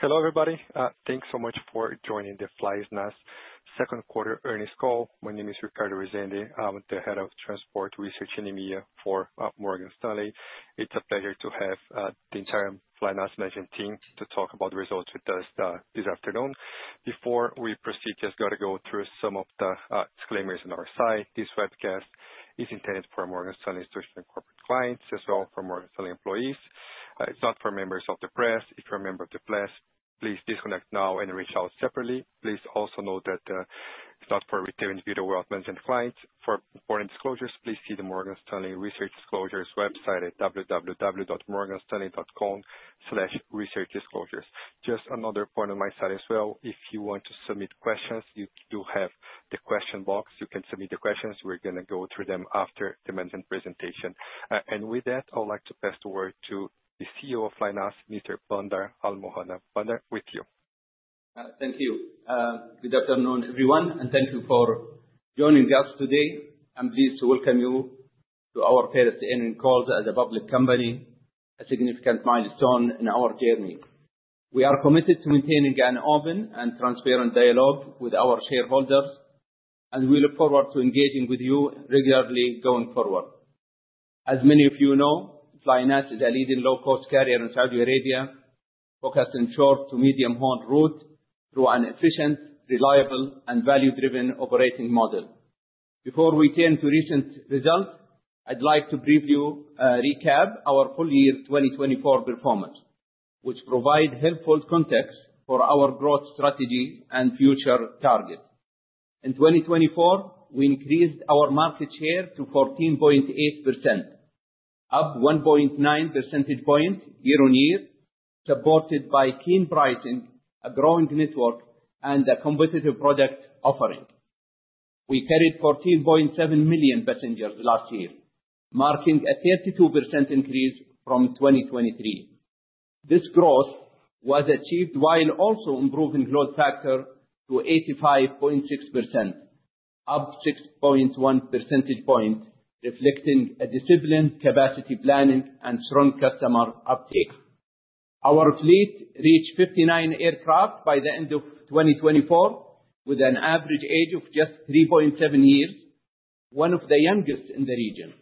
Hello, everybody. Thanks so much for joining the Flynas Second Quarter Earnings Call. My name is Ricardo Rezende. I'm the Head of Transport Research and CEEMEA for Morgan Stanley. It's a pleasure to have the entire flynas Management Team to talk about the results with us this afternoon. Before we proceed, just got to go through some of the disclaimers on our side. This webcast is intended for Morgan Stanley's traditional corporate clients, as well as for Morgan Stanley employees. It's not for members of the press. If you're a member of the press, please disconnect now and reach out separately. Please also note that it's not for retail individual wealth management clients. For important disclosures, please see the Morgan Stanley Research Disclosures website at www.morganstanley.com/researchdisclosures. Just another point on my side as well. If you want to submit questions, you do have the question box. You can submit the questions. We're going to go through them after the management presentation, and with that, I would like to pass the word to the CEO of flynas, Mr. Bandar Almohanna. Bandar, with you. Thank you. Good afternoon, everyone, and thank you for joining us today. I'm pleased to welcome you to our First Earnings Calls as a public company, a significant milestone in our journey. We are committed to maintaining an open and transparent dialogue with our shareholders, and we look forward to engaging with you regularly going forward. As many of you know, flynas is a leading low-cost carrier in Saudi Arabia, focused on short to medium-haul routes through an efficient, reliable, and value-driven operating model. Before we turn to recent results, I'd like to briefly recap our full year 2024 performance, which provides helpful context for our growth strategy and future targets. In 2024, we increased our market share to 14.8%, up 1.9% points year-on-year, supported by keen pricing, a growing network, and a competitive product offering. We carried 14.7 million passengers last year, marking a 32% increase from 2023. This growth was achieved while also improving load factor to 85.6%, up 6.1% points, reflecting a disciplined capacity planning and strong customer uptake. Our fleet reached 59 aircraft by the end of 2024, with an average age of just 3.7 years, one of the youngest in the region.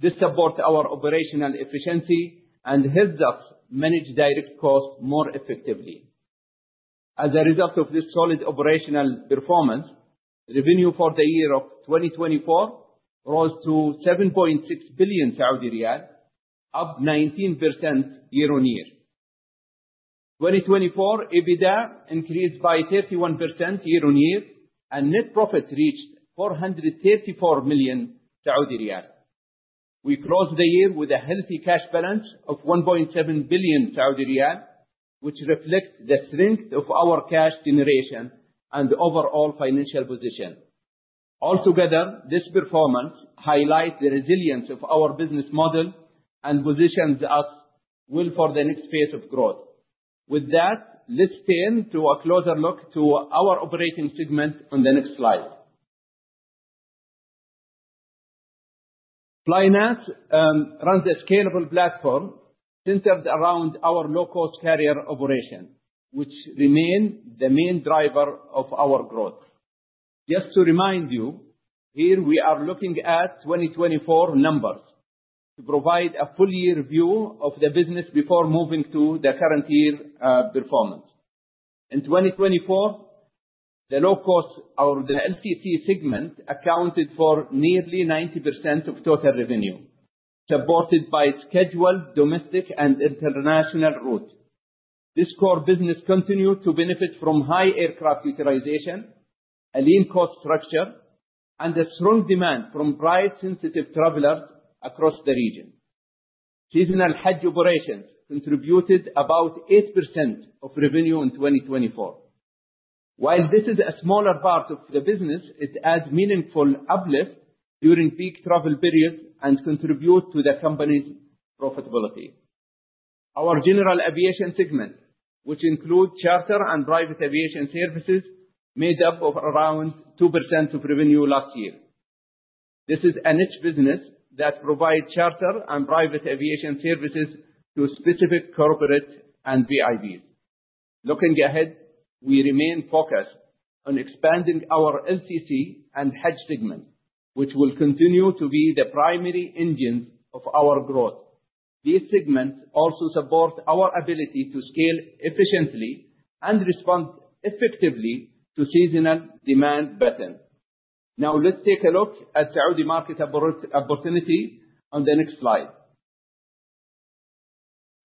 This supports our operational efficiency and helps us manage direct costs more effectively. As a result of this solid operational performance, revenue for the year of 2024 rose to 7.6 billion Saudi riyal, up 19% year-on-year. 2024 EBITDA increased by 31% year-on-year and net profit reached 434 million Saudi riyal. We closed the year with a healthy cash balance of 1.7 billion Saudi riyal, which reflects the strength of our cash generation and overall financial position. Altogether, this performance highlights the resilience of our business model and positions us well for the next phase of growth. With that, let's turn to a closer look to our operating segment on the next slide. flynas runs a scalable platform centered around our low-cost carrier operation, which remains the main driver of our growth. Just to remind you, here we are looking at 2024 numbers to provide a full-year view of the business before moving to the current year performance. In 2024, the low-cost or the LCC segment accounted for nearly 90% of total revenue, supported by scheduled domestic and international routes. This core business continued to benefit from high aircraft utilization, a lean cost structure, and a strong demand from price-sensitive travelers across the region. Seasonal Hajj operations contributed about 8% of revenue in 2024. While this is a smaller part of the business, it adds meaningful uplift during peak travel periods and contributes to the company's profitability. Our general aviation segment, which includes charter and private aviation services, made up of around 2% of revenue last year. This is a niche business that provides charter and private aviation services to specific corporates and VIPs. Looking ahead, we remain focused on expanding our LCC and Hajj segments, which will continue to be the primary engines of our growth. These segments also support our ability to scale efficiently and respond effectively to seasonal demand patterns. Now, let's take a look at Saudi market opportunity on the next slide.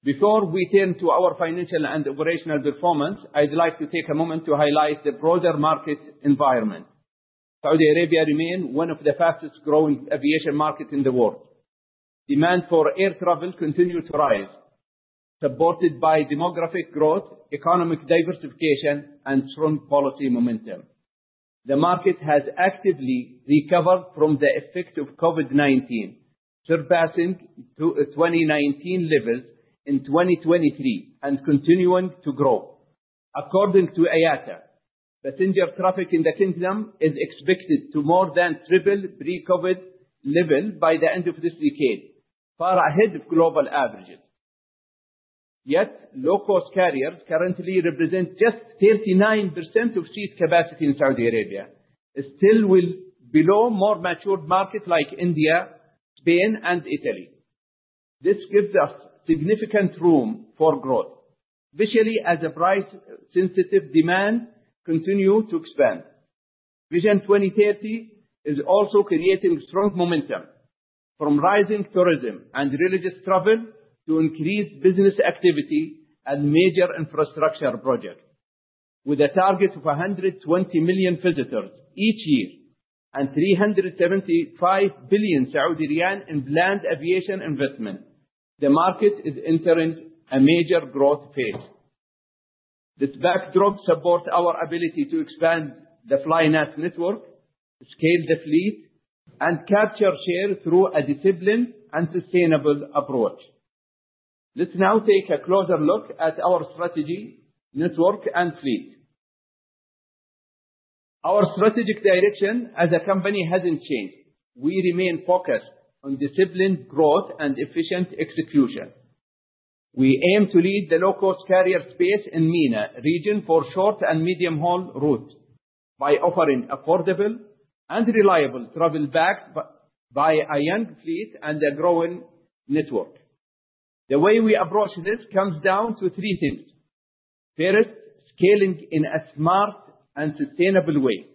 Before we turn to our financial and operational performance, I'd like to take a moment to highlight the broader market environment. Saudi Arabia remains one of the fastest-growing aviation markets in the world. Demand for air travel continues to rise, supported by demographic growth, economic diversification, and strong policy momentum. The market has actively recovered from the effects of COVID-19, surpassing 2019 levels in 2023 and continuing to grow. According to IATA, passenger traffic in the Kingdom is expected to more than triple pre-COVID levels by the end of this decade, far ahead of global averages. Yet, low-cost carriers currently represent just 39% of seat capacity in Saudi Arabia, still below more mature markets like India, Spain, and Italy. This gives us significant room for growth, especially as price-sensitive demand continues to expand. Vision 2030 is also creating strong momentum, from rising tourism and religious travel to increased business activity and major infrastructure projects. With a target of 120 million visitors each year and 375 billion in planned aviation investment, the market is entering a major growth phase. This backdrop supports our ability to expand the flynas network, scale the fleet, and capture share through a disciplined and sustainable approach. Let's now take a closer look at our strategy, network, and fleet. Our strategic direction as a company hasn't changed. We remain focused on disciplined growth and efficient execution. We aim to lead the low-cost carrier space in MENA region for short and medium-haul routes by offering affordable and reliable travel backed by a young fleet and a growing network. The way we approach this comes down to three things: first, scaling in a smart and sustainable way,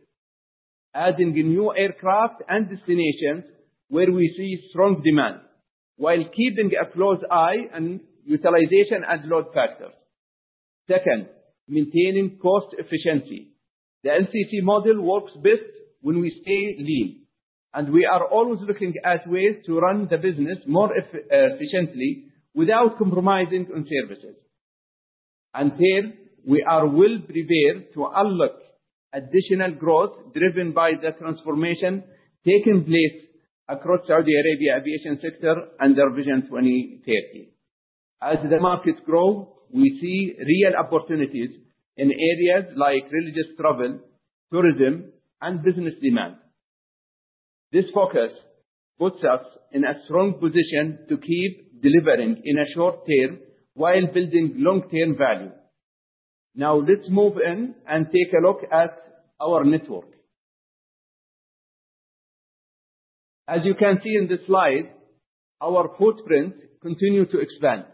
adding new aircraft and destinations where we see strong demand, while keeping a close eye on utilization and load factors. Second, maintaining cost efficiency. The LCC model works best when we stay lean, and we are always looking at ways to run the business more efficiently without compromising on services. Third, we are well prepared to unlock additional growth driven by the transformation taking place across Saudi Arabia's aviation sector under Vision 2030. As the markets grow, we see real opportunities in areas like religious travel, tourism, and business demand. This focus puts us in a strong position to keep delivering in the short term while building long-term value. Now, let's move in and take a look at our network. As you can see in this slide, our footprint continues to expand,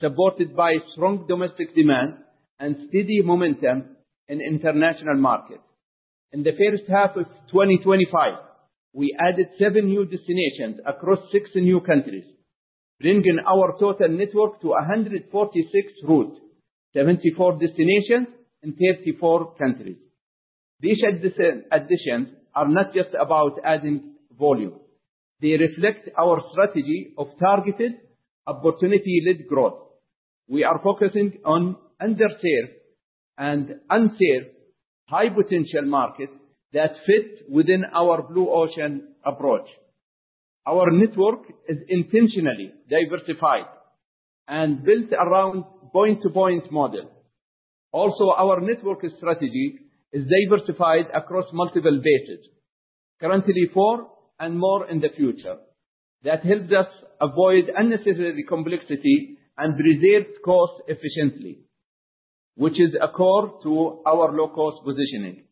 supported by strong domestic demand and steady momentum in international markets. In the first half of 2025, we added seven new destinations across six new countries, bringing our total network to 146 routes, 74 destinations, and 34 countries. These additions are not just about adding volume. They reflect our strategy of targeted, opportunity-led growth. We are focusing on underserved and unserved high-potential markets that fit within our Blue Ocean approach. Our network is intentionally diversified and built around a point-to-point model. Also, our network strategy is diversified across multiple bases, currently four and more in the future. That helps us avoid unnecessary complexity and preserve costs efficiently, which is a core to our low-cost positioning.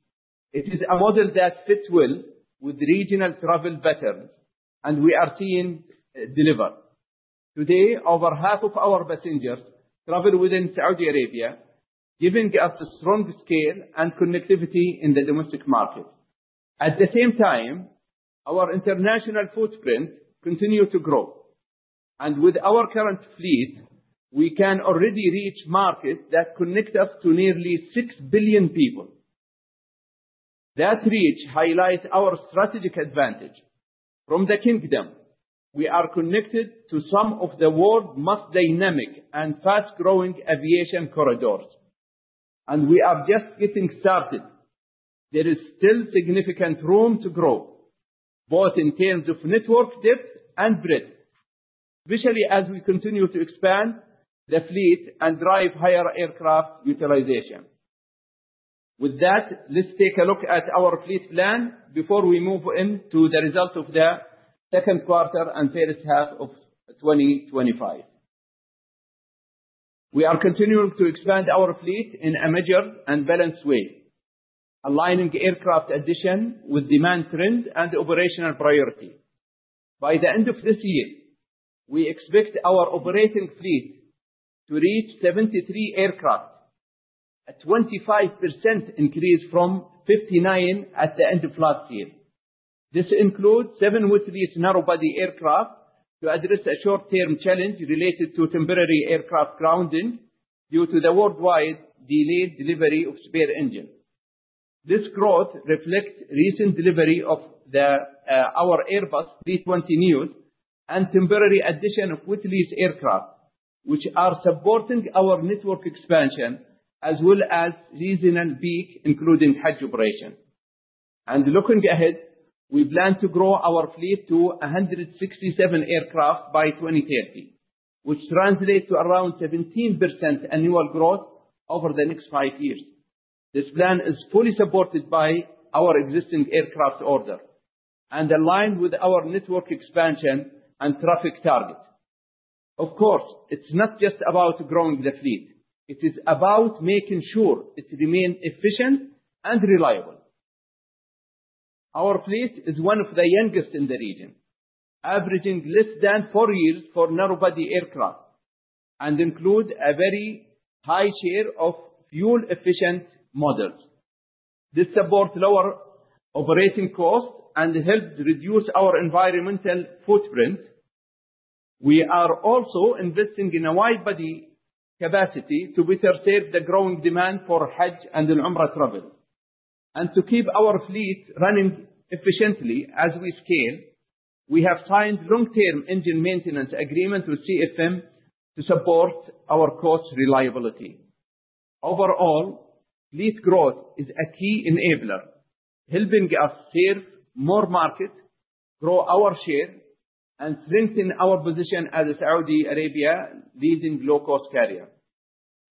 It is a model that fits well with regional travel patterns, and we are seeing it deliver. Today, over half of our passengers travel within Saudi Arabia, giving us strong scale and connectivity in the domestic market. At the same time, our international footprint continues to grow. And with our current fleet, we can already reach markets that connect us to nearly 6 billion people. That reach highlights our strategic advantage. From the Kingdom, we are connected to some of the world's most dynamic and fast-growing aviation corridors. We are just getting started. There is still significant room to grow, both in terms of network depth and breadth, especially as we continue to expand the fleet and drive higher aircraft utilization. With that, let's take a look at our fleet plan before we move into the results of the second quarter and first half of 2025. We are continuing to expand our fleet in a measured and balanced way, aligning aircraft additions with demand trends and operational priorities. By the end of this year, we expect our operating fleet to reach 73 aircraft, a 25% increase from 59 at the end of last year. This includes seven wet lease narrow body aircraft to address a short-term challenge related to temporary aircraft grounding due to the worldwide delayed delivery of spare engines. This growth reflects the recent delivery of our Airbus A320neo and temporary additions of wet lease aircraft, which are supporting our network expansion as well as seasonal peaks, including Hajj operations, and looking ahead, we plan to grow our fleet to 167 aircraft by 2030, which translates to around 17% annual growth over the next five years. This plan is fully supported by our existing aircraft order and aligned with our network expansion and traffic targets. Of course, it's not just about growing the fleet. It is about making sure it remains efficient and reliable. Our fleet is one of the youngest in the region, averaging less than four years for narrowbody aircraft, and includes a very high share of fuel-efficient models. This supports lower operating costs and helps reduce our environmental footprint. We are also investing in a widebody capacity to better serve the growing demand for Hajj and Umrah travel, and to keep our fleet running efficiently as we scale, we have signed long-term engine maintenance agreements with CFM to support our cost reliability. Overall, fleet growth is a key enabler, helping us serve more markets, grow our share, and strengthen our position as Saudi Arabia's leading low-cost carrier.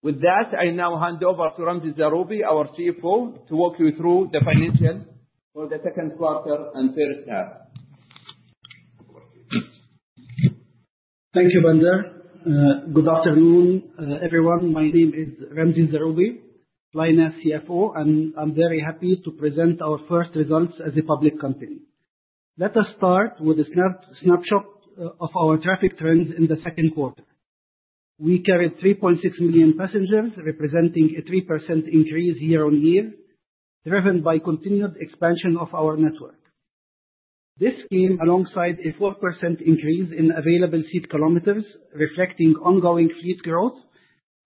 With that, I now hand over to Ramzi Zaroubi, our CFO, to walk you through the financials for the second quarter and first half. Thank you, Bandar. Good afternoon, everyone. My name is Ramzi Zaroubi, flynas CFO, and I'm very happy to present our first results as a public company. Let us start with a snapshot of our traffic trends in the second quarter. We carried 3.6 million passengers, representing a 3% increase year-on-year, driven by continued expansion of our network. This came alongside a 4% increase in available seat kilometers, reflecting ongoing fleet growth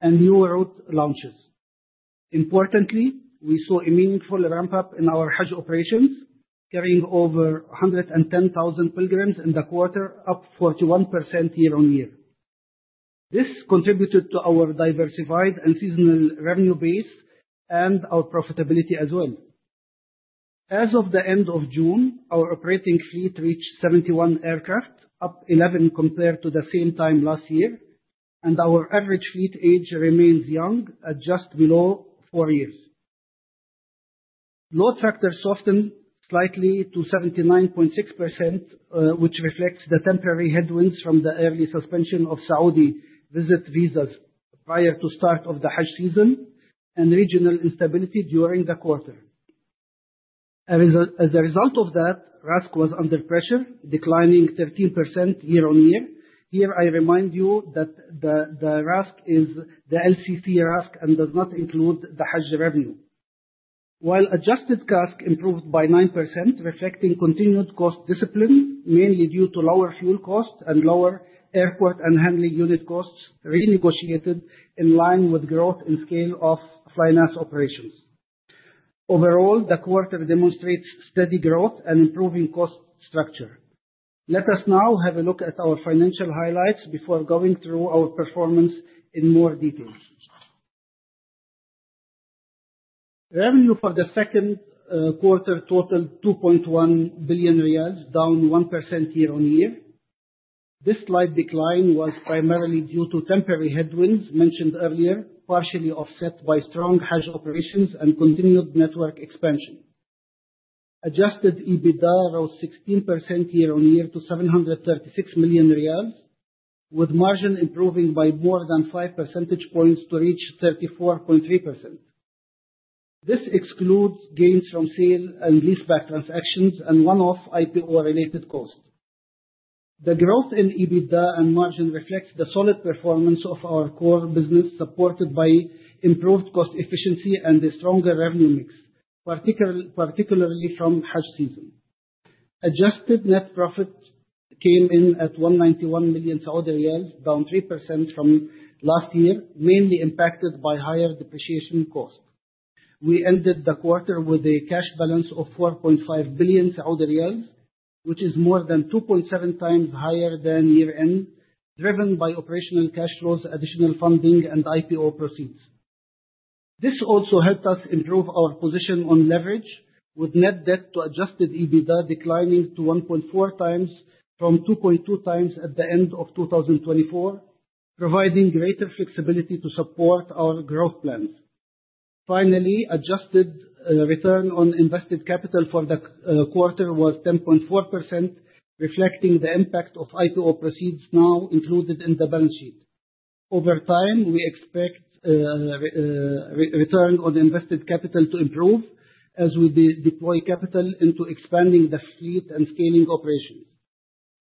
and new route launches. Importantly, we saw a meaningful ramp-up in our Hajj operations, carrying over 110,000 pilgrims in the quarter, up 41% year-on-year. This contributed to our diversified and seasonal revenue base and our profitability as well. As of the end of June, our operating fleet reached 71 aircraft, up 11 compared to the same time last year, and our average fleet age remains young, at just below four years. Load factors softened slightly to 79.6%, which reflects the temporary headwinds from the early suspension of Saudi visit visas prior to the start of the Hajj season and regional instability during the quarter. As a result of that, RASK was under pressure, declining 13% year-on-year. Here, I remind you that the RASK is the LCC RASK and does not include the Hajj revenue. While adjusted CASK improved by 9%, reflecting continued cost discipline, mainly due to lower fuel costs and lower airport and handling unit costs renegotiated in line with growth and scale of flynas operations. Overall, the quarter demonstrates steady growth and improving cost structure. Let us now have a look at our financial highlights before going through our performance in more detail. Revenue for the second quarter totaled 2.1 billion riyals, down 1% year-on-year. This slight decline was primarily due to temporary headwinds mentioned earlier, partially offset by strong Hajj operations and continued network expansion. Adjusted EBITDA rose 16% year-on-year to 736 million riyals, with margin improving by more than 5% points to reach 34.3%. This excludes gains from sale and lease-back transactions and one-off IPO-related costs. The growth in EBITDA and margin reflects the solid performance of our core business, supported by improved cost efficiency and a stronger revenue mix, particularly from Hajj season. Adjusted net profit came in at 191 million Saudi riyals, down 3% from last year, mainly impacted by higher depreciation costs. We ended the quarter with a cash balance of 4.5 billion Saudi riyals, which is more than 2.7 times higher than year-end, driven by operational cash flows, additional funding, and IPO proceeds. This also helped us improve our position on leverage, with net debt to adjusted EBITDA declining to 1.4 times from 2.2 times at the end of 2024, providing greater flexibility to support our growth plans. Finally, adjusted return on invested capital for the quarter was 10.4%, reflecting the impact of IPO proceeds now included in the balance sheet. Over time, we expect return on invested capital to improve as we deploy capital into expanding the fleet and scaling operations.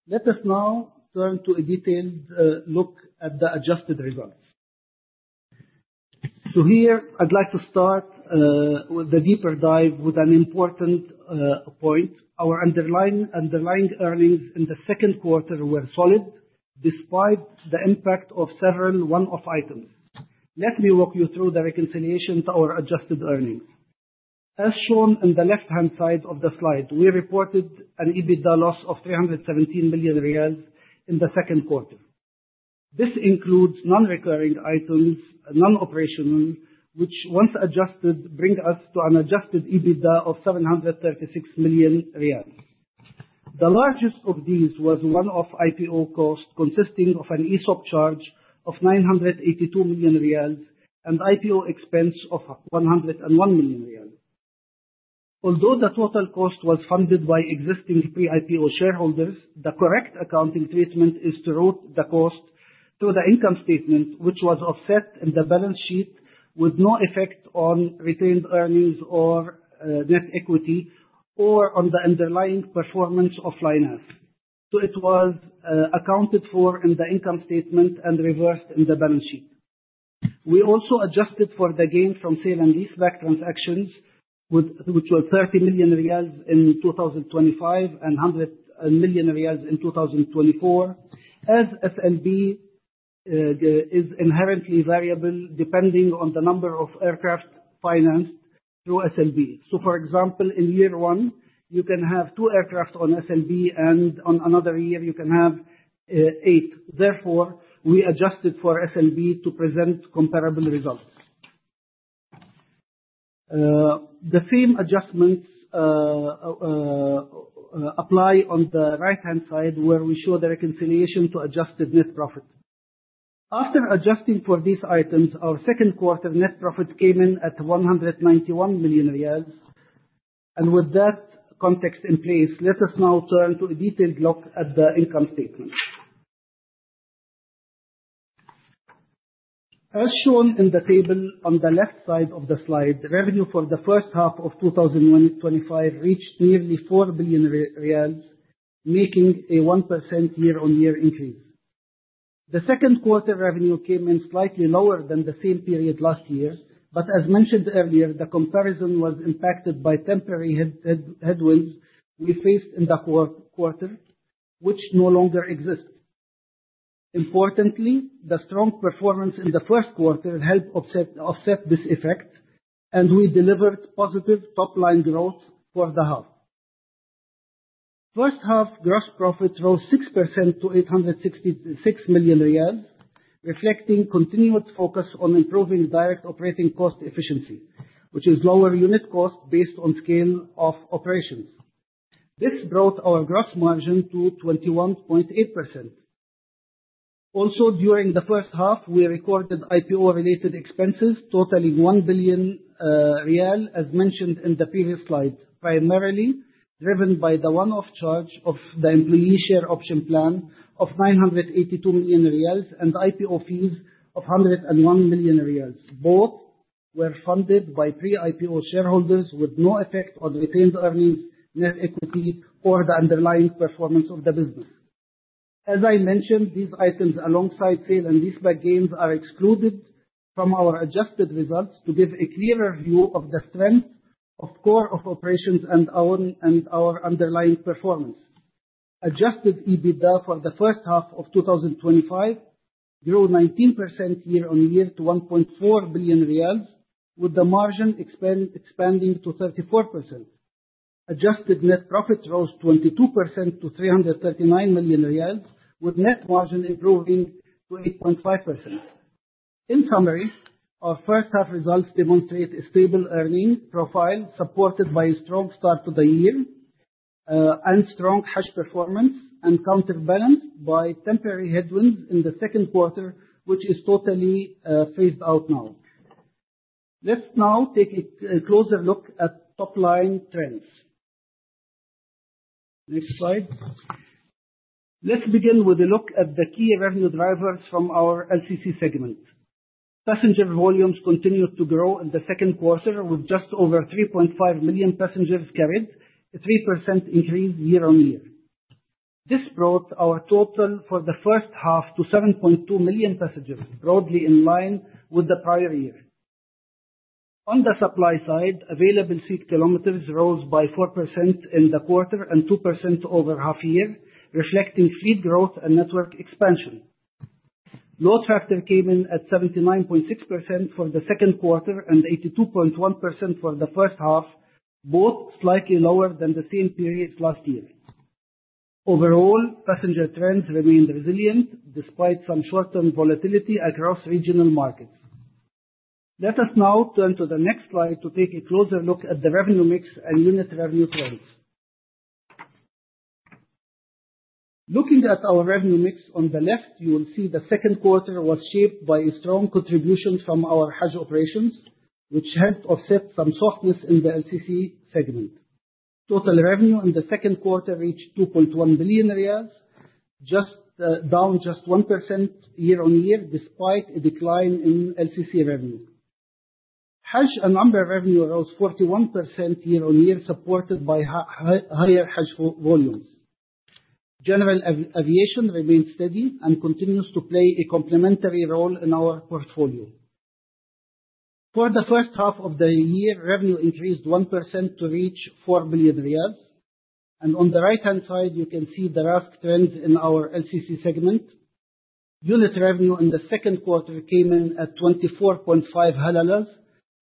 Let us now turn to a detailed look at the adjusted results. So here, I'd like to start with a deeper dive with an important point. Our underlying earnings in the second quarter were solid despite the impact of several one-off items. Let me walk you through the reconciliation to our adjusted earnings. As shown in the left-hand side of the slide, we reported an EBITDA loss of 317 million riyals in the second quarter. This includes non-recurring items, non-operational, which, once adjusted, bring us to an adjusted EBITDA of 736 million riyals. The largest of these was one-off IPO cost, consisting of an ESOP charge of 982 million riyals and IPO expense of 101 million riyals. Although the total cost was funded by existing pre-IPO shareholders, the correct accounting treatment is to route the cost to the income statement, which was offset in the balance sheet with no effect on retained earnings or net equity or on the underlying performance of flynas, so it was accounted for in the income statement and reversed in the balance sheet. We also adjusted for the gain from sale and lease-back transactions, which were 30 million riyals in 2025 and 100 million riyals in 2024, as SLB is inherently variable depending on the number of aircraft financed through SLB, so, for example, in year one, you can have two aircraft on SLB, and on another year, you can have eight. Therefore, we adjusted for SLB to present comparable results. The same adjustments apply on the right-hand side, where we show the reconciliation to adjusted net profit. After adjusting for these items, our second quarter net profit came in at 191 million riyals. With that context in place, let us now turn to a detailed look at the income statement. As shown in the table on the left side of the slide, revenue for the first half of 2025 reached nearly 4 billion riyals, making a 1% year-on-year increase. The second quarter revenue came in slightly lower than the same period last year, but as mentioned earlier, the comparison was impacted by temporary headwinds we faced in the quarter, which no longer exist. Importantly, the strong performance in the first quarter helped offset this effect, and we delivered positive top-line growth for the half. First-half gross profit rose 6% to 866 million riyals, reflecting continued focus on improving direct operating cost efficiency, which is lower unit cost based on scale of operations. This brought our gross margin to 21.8%. Also, during the first half, we recorded IPO-related expenses totaling SAR 1 billion, as mentioned in the previous slide, primarily driven by the one-off charge of the employee share option plan of SAR 982 million and IPO fees of SAR 101 million. Both were funded by pre-IPO shareholders, with no effect on retained earnings, net equity, or the underlying performance of the business. As I mentioned, these items, alongside sale and lease-back gains, are excluded from our adjusted results to give a clearer view of the strength of core operations and our underlying performance. Adjusted EBITDA for the first half of 2025 grew 19% year-on-year to 1.4 billion riyals, with the margin expanding to 34%. Adjusted net profit rose 22% to 339 million riyals, with net margin improving to 8.5%. In summary, our first-half results demonstrate a stable earnings profile supported by a strong start to the year and strong Hajj performance, and counterbalanced by temporary headwinds in the second quarter, which is totally phased out now. Let's now take a closer look at top-line trends. Next slide. Let's begin with a look at the key revenue drivers from our LCC segment. Passenger volumes continued to grow in the second quarter, with just over 3.5 million passengers carried, a 3% increase year-on-year. This brought our total for the first half to 7.2 million passengers, broadly in line with the prior year. On the supply side, available seat kilometers rose by 4% in the quarter and 2% over half-year, reflecting fleet growth and network expansion. Load factor came in at 79.6% for the second quarter and 82.1% for the first half, both slightly lower than the same period last year. Overall, passenger trends remained resilient despite some short-term volatility across regional markets. Let us now turn to the next slide to take a closer look at the revenue mix and unit revenue trends. Looking at our revenue mix on the left, you will see the second quarter was shaped by strong contributions from our Hajj operations, which helped offset some softness in the LCC segment. Total revenue in the second quarter reached 2.1 billion riyals, down just 1% year-on-year despite a decline in LCC revenue. Hajj and Umrah revenue rose 41% year-on-year, supported by higher Hajj volumes. General Aviation remained steady and continues to play a complementary role in our portfolio. For the first half of the year, revenue increased 1% to reach 4 billion riyals. On the right-hand side, you can see the RASK trends in our LCC segment. Unit revenue in the second quarter came in at 0.245,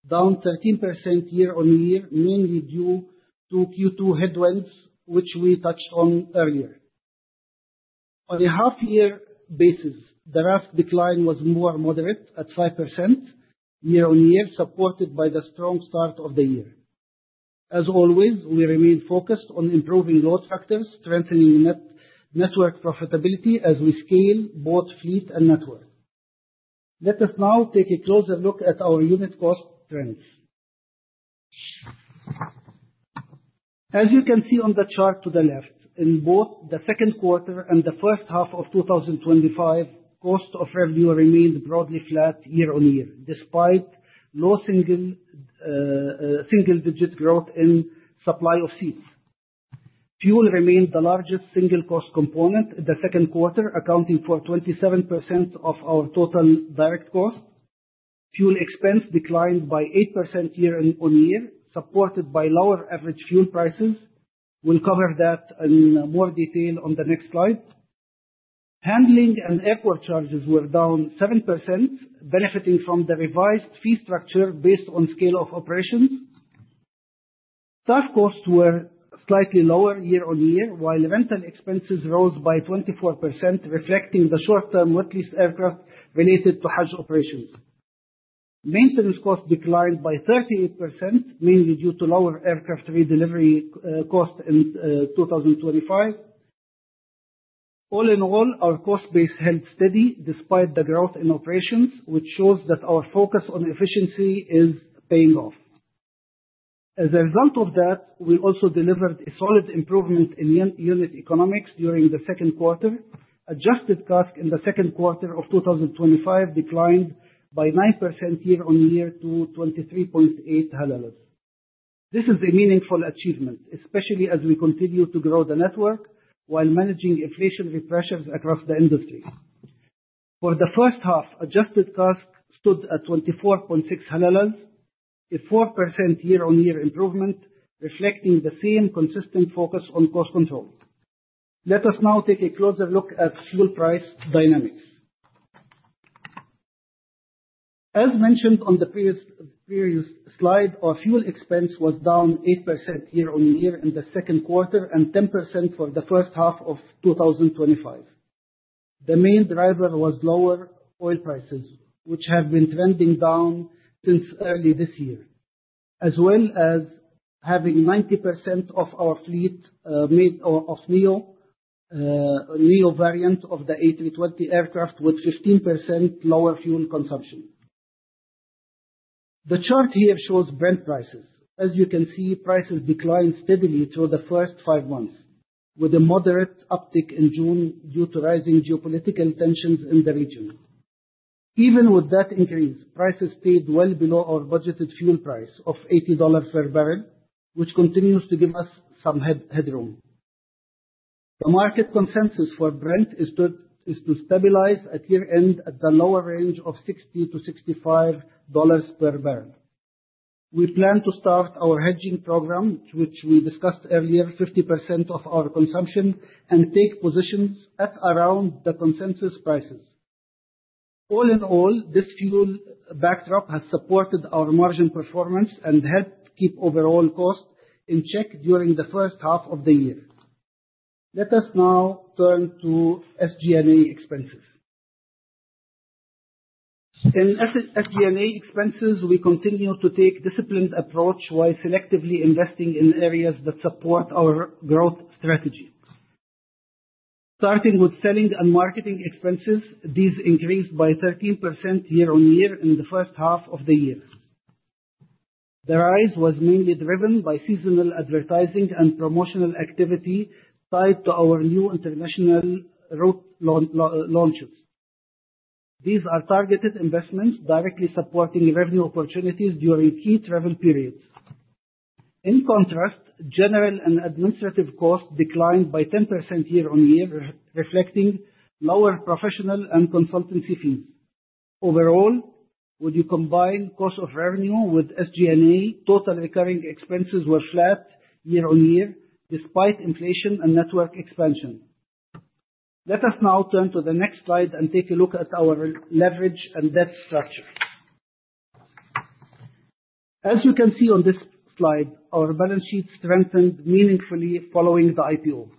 down 13% year-on-year, mainly due to Q2 headwinds, which we touched on earlier. On a half-year basis, the RASK decline was more moderate at 5% year-on-year, supported by the strong start of the year. As always, we remain focused on improving load factors, strengthening network profitability as we scale both fleet and network. Let us now take a closer look at our unit cost trends. As you can see on the chart to the left, in both the second quarter and the first half of 2025, cost of revenue remained broadly flat year-on-year, despite low single-digit growth in supply of seats. Fuel remained the largest single-cost component in the second quarter, accounting for 27% of our total direct cost. Fuel expense declined by 8% year-on-year, supported by lower average fuel prices. We'll cover that in more detail on the next slide. Handling and airport charges were down 7%, benefiting from the revised fee structure based on scale of operations. Staff costs were slightly lower year-on-year, while rental expenses rose by 24%, reflecting the short-term wet lease aircraft related to Hajj operations. Maintenance costs declined by 38%, mainly due to lower aircraft redelivery cost in 2025. All in all, our cost base held steady despite the growth in operations, which shows that our focus on efficiency is paying off. As a result of that, we also delivered a solid improvement in unit economics during the second quarter. Adjusted CASK in the second quarter of 2025 declined by 9% year-on-year to 0.238. This is a meaningful achievement, especially as we continue to grow the network while managing inflationary pressures across the industry. For the first half, adjusted CASK stood at 0.246, a 4% year-on-year improvement, reflecting the same consistent focus on cost control. Let us now take a closer look at fuel price dynamics. As mentioned on the previous slide, our fuel expense was down 8% year-on-year in the second quarter and 10% for the first half of 2025. The main driver was lower oil prices, which have been trending down since early this year, as well as having 90% of our fleet made of NEO variant of the A320 aircraft, with 15% lower fuel consumption. The chart here shows Brent prices. As you can see, prices declined steadily through the first five months, with a moderate uptick in June due to rising geopolitical tensions in the region. Even with that increase, prices stayed well below our budgeted fuel price of $80 per barrel, which continues to give us some headroom. The market consensus for Brent Crude is to stabilize at year-end at the lower range of $60-$65 per barrel. We plan to start our hedging program, which we discussed earlier, 50% of our consumption, and take positions at around the consensus prices. All in all, this fuel backdrop has supported our margin performance and helped keep overall cost in check during the first half of the year. Let us now turn to SG&A expenses. In SG&A expenses, we continue to take a disciplined approach while selectively investing in areas that support our growth strategy. Starting with selling and marketing expenses, these increased by 13% year-on-year in the first half of the year. The rise was mainly driven by seasonal advertising and promotional activity tied to our new international route launches. These are targeted investments directly supporting revenue opportunities during key travel periods. In contrast, general and administrative costs declined by 10% year-on-year, reflecting lower professional and consultancy fees. Overall, when you combine cost of revenue with SG&A, total recurring expenses were flat year-on-year despite inflation and network expansion. Let us now turn to the next slide and take a look at our leverage and debt structure. As you can see on this slide, our balance sheet strengthened meaningfully following the IPO.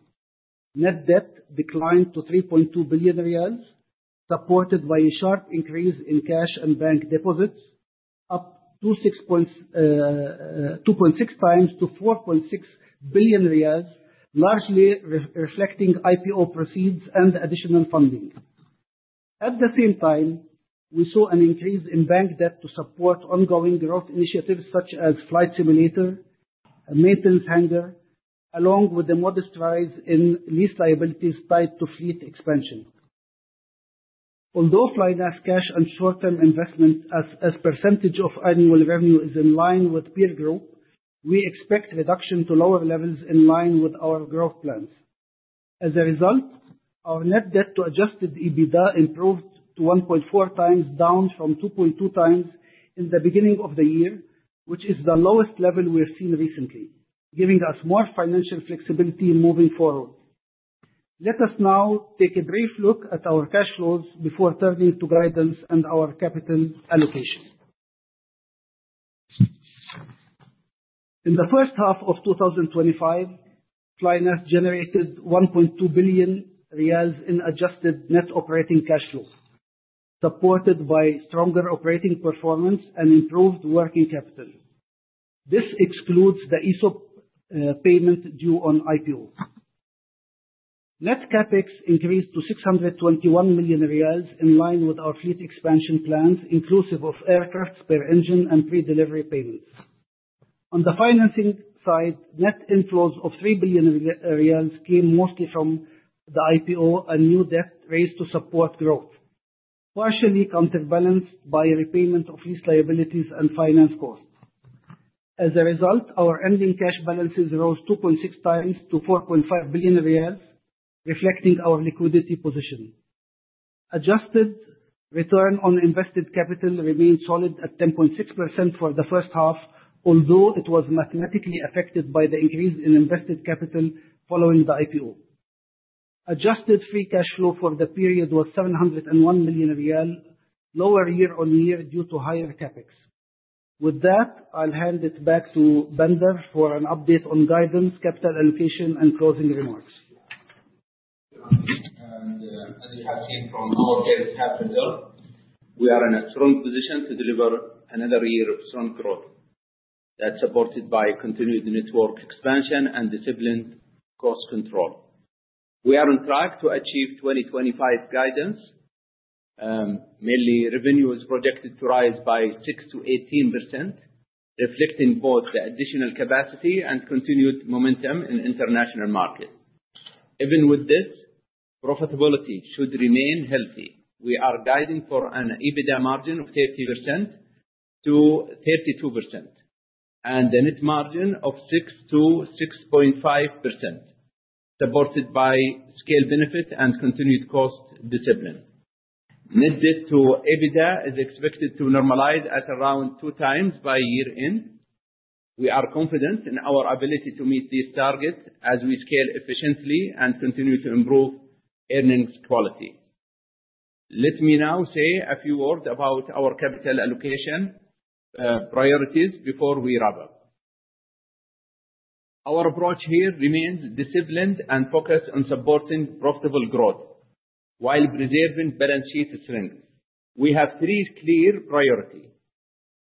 Net debt declined to 3.2 billion riyals, supported by a sharp increase in cash and bank deposits, up 2.6 times to 4.6 billion riyals, largely reflecting IPO proceeds and additional funding. At the same time, we saw an increase in bank debt to support ongoing growth initiatives such as flight simulator and maintenance hangar, along with a modest rise in lease liabilities tied to fleet expansion. Although Flynas cash and short-term investment as a percentage of annual revenue is in line with peer group, we expect reduction to lower levels in line with our growth plans. As a result, our net debt to adjusted EBITDA improved to 1.4 times, down from 2.2 times in the beginning of the year, which is the lowest level we've seen recently, giving us more financial flexibility moving forward. Let us now take a brief look at our cash flows before turning to guidance and our capital allocation. In the first half of 2025, Flynas generated 1.2 billion riyals in adjusted net operating cash flow, supported by stronger operating performance and improved working capital. This excludes the ESOP payment due on IPO. Net CapEx increased to 621 million riyals in line with our fleet expansion plans, inclusive of aircraft, spare engines and pre-delivery payments. On the financing side, net inflows of 3 billion riyals came mostly from the IPO and new debt raised to support growth, partially counterbalanced by repayment of lease liabilities and finance costs. As a result, our ending cash balances rose 2.6 times to 4.5 billion riyals, reflecting our liquidity position. Adjusted return on invested capital remained solid at 10.6% for the first half, although it was mathematically affected by the increase in invested capital following the IPO. Adjusted free cash flow for the period was 701 million riyal, lower year-on-year due to higher CapEx. With that, I'll hand it back to Bandar for an update on guidance, capital allocation, and closing remarks, and as you have seen from our data calendar, we are in a strong position to deliver another year of strong growth that's supported by continued network expansion and disciplined cost control. We are on track to achieve 2025 guidance. Mainly, revenue is projected to rise by 6%-18%, reflecting both the additional capacity and continued momentum in international markets. Even with this, profitability should remain healthy. We are guiding for an EBITDA margin of 30%-32% and a net margin of 6%-6.5%, supported by scale benefit and continued cost discipline. Net debt to EBITDA is expected to normalize at around 2 times by year-end. We are confident in our ability to meet these targets as we scale efficiently and continue to improve earnings quality. Let me now say a few words about our capital allocation priorities before we wrap up. Our approach here remains disciplined and focused on supporting profitable growth while preserving balance sheet strength. We have three clear priorities.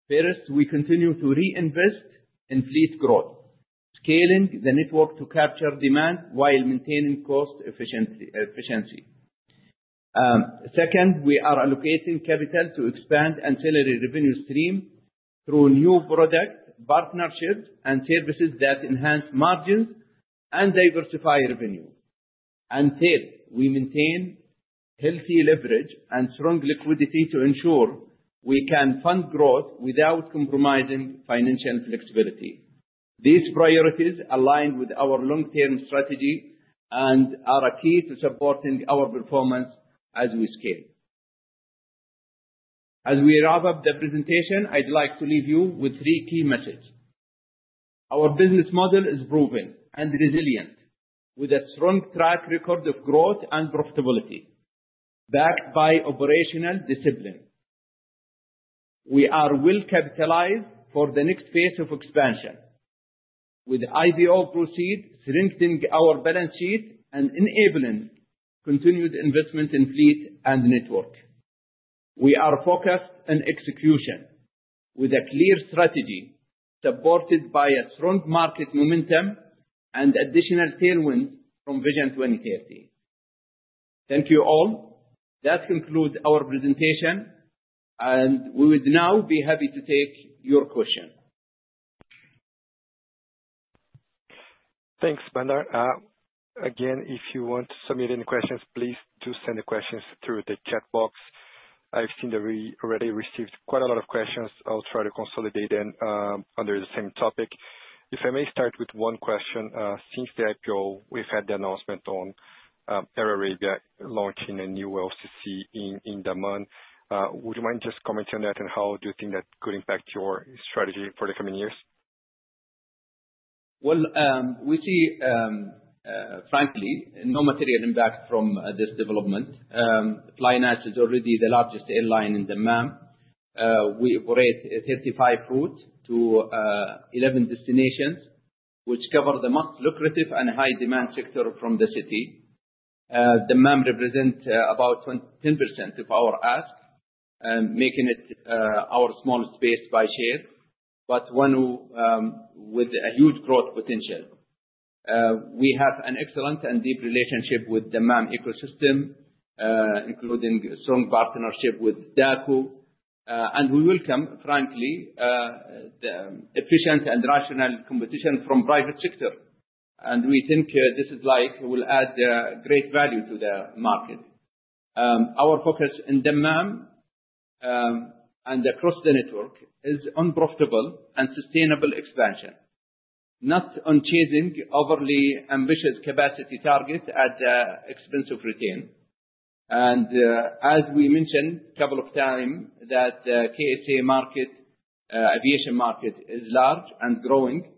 First, we continue to reinvest in fleet growth, scaling the network to capture demand while maintaining cost efficiency. Second, we are allocating capital to expand ancillary revenue streams through new product partnerships and services that enhance margins and diversify revenue. And third, we maintain healthy leverage and strong liquidity to ensure we can fund growth without compromising financial flexibility. These priorities align with our long-term strategy and are a key to supporting our performance as we scale. As we wrap up the presentation, I'd like to leave you with three key messages. Our business model is proven and resilient, with a strong track record of growth and profitability backed by operational discipline. We are well capitalized for the next phase of expansion, with IPO proceeds strengthening our balance sheet and enabling continued investment in fleet and network. We are focused on execution with a clear strategy supported by a strong market momentum and additional tailwinds from Vision 2030. Thank you all. That concludes our presentation, and we would now be happy to take your questions. Thanks, Bandar. Again, if you want to submit any questions, please do send the questions through the chat box. I've seen that we already received quite a lot of questions. I'll try to consolidate them under the same topic. If I may start with one question, since the IPO, we've had the announcement on Air Arabia launching a new LCC in Dammam. Would you mind just commenting on that, and how do you think that could impact your strategy for the coming years? Well, we see, frankly, no material impact from this development. Flynas is already the largest airline in Dammam. We operate 35 routes to 11 destinations, which cover the most lucrative and high-demand sector from the city. Dammam represents about 10% of our RASK, making it our smallest base by share, but one with a huge growth potential. We have an excellent and deep relationship with Dammam ecosystem, including a strong partnership with DACO, and we welcome, frankly, efficient and rational competition from the private sector, and we think this is likely will add great value to the market. Our focus in Dammam and across the network is on profitable and sustainable expansion, not on chasing overly ambitious capacity targets at the expense of return, and as we mentioned a couple of times, the KSA market, aviation market, is large and growing,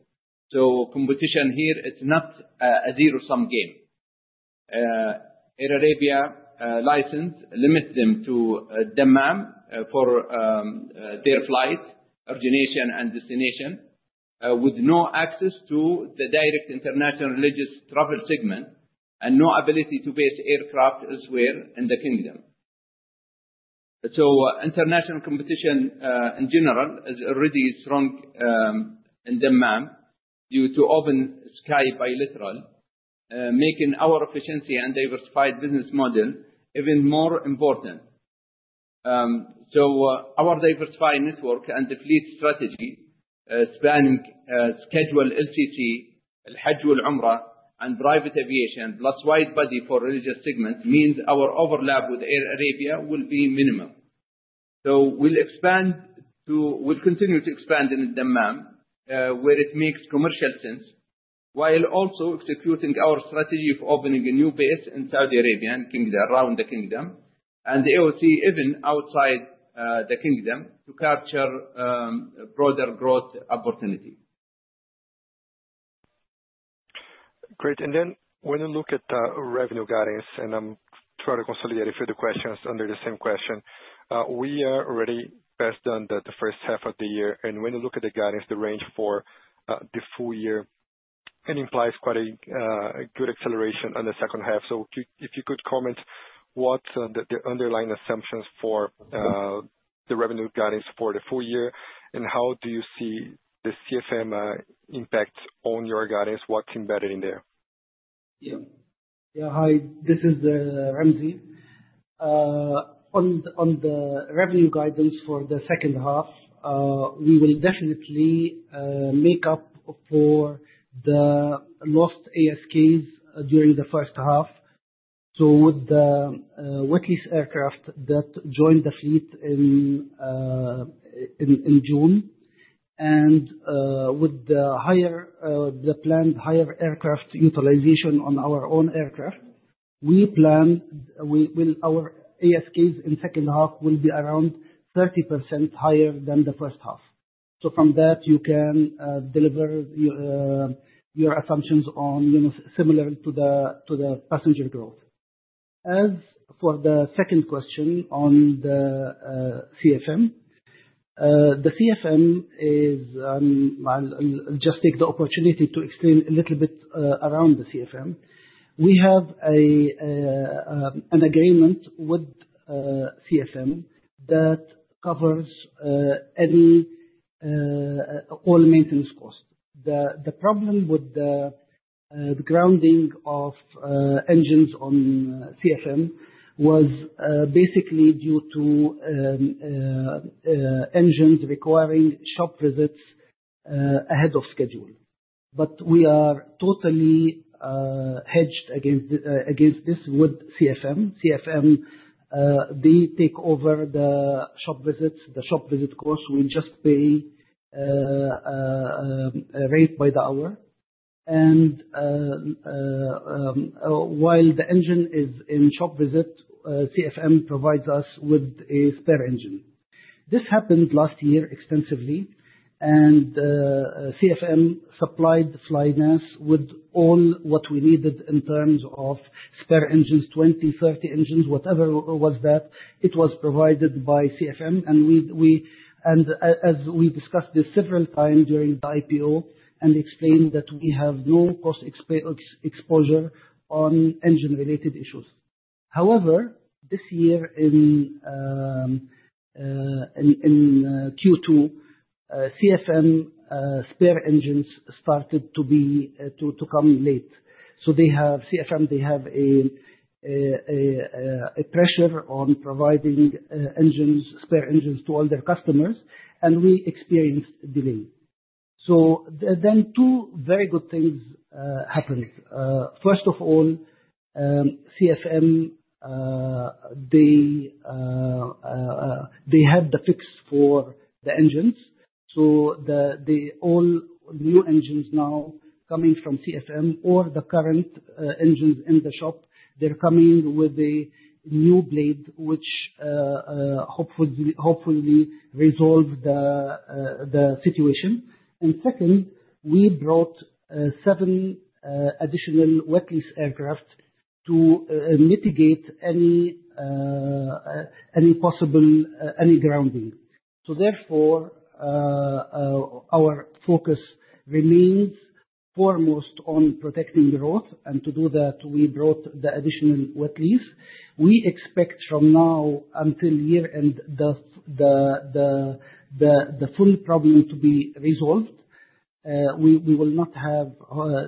so competition here is not a zero-sum game. Arabia license limits them to Dammam for their flight origination and destination, with no access to the direct international religious travel segment and no ability to base aircraft elsewhere in the kingdom. International competition in general is already strong in Dammam due to open sky bilateral, making our efficiency and diversified business model even more important. Our diversified network and the fleet strategy spanning scheduled LCC, Al-Hajj, Al-Umrah, and private aviation, plus wide body for religious segments, means our overlap with Air Arabia will be minimal. We'll continue to expand in Dammam, where it makes commercial sense, while also executing our strategy of opening a new base in Saudi Arabia and around the kingdom, and the AOC even outside the kingdom to capture broader growth opportunity. Great. And then when you look at the revenue guidance, and I'm trying to consolidate a few of the questions under the same question, we are already past the first half of the year. And when you look at the guidance, the range for the full year, it implies quite a good acceleration in the second half. So if you could comment on what the underlying assumptions for the revenue guidance for the full year and how do you see the CFM impact on your guidance, what's embedded in there? Yeah. Yeah. Hi, this is Ramzi. On the revenue guidance for the second half, we will definitely make up for the lost ASKs during the first half with the wet lease aircraft that joined the fleet in June. And with the planned higher aircraft utilization on our own aircraft, we planned-will our ASKs in the second half will be around 30% higher than the first half. So from that, you can deliver your assumptions similar to the passenger growth. As for the second question on the CFM, the CFM is-I'll just take the opportunity to explain a little bit around the CFM. We have an agreement with CFM that covers all maintenance costs. The problem with the grounding of engines on CFM was basically due to engines requiring shop visits ahead of schedule. But we are totally hedged against this with CFM. CFM, they take over the shop visits. The shop visit costs, we just pay a rate by the hour. And while the engine is in shop visit, CFM provides us with a spare engine. This happened last year extensively, and CFM supplied Flynas with all what we needed in terms of spare engines, 20, 30 engines, whatever was that, it was provided by CFM. And as we discussed this several times during the IPO and explained that we have no cost exposure on engine-related issues. However, this year in Q2, CFM spare engines started to come late. So CFM, they have a pressure on providing spare engines to all their customers, and we experienced a delay. So then two very good things happened. First of all, CFM, they had the fix for the engines. So all new engines now coming from CFM or the current engines in the shop, they're coming with a new blade, which hopefully resolves the situation. And second, we brought seven additional wet lease aircraft to mitigate any possible grounding. So therefore, our focus remains foremost on protecting growth, and to do that, we brought the additional wet lease. We expect from now until year-end, the full problem to be resolved. We will not have